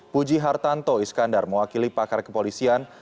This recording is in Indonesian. puji hartanto iskandar mewakili pakar kepolisian